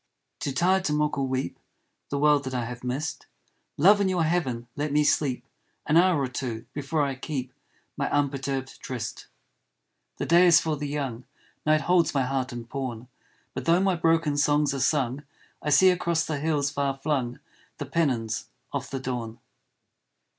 Too tired to mock or weep The world that I have missed, Love, in your heaven let me sleep An hour or two, before I keep My unperturbed tryst. The day is for the young, Night holds my heart in pawn ; But though my broken songs are sung I see across the hills far flung The pennons of the dawn.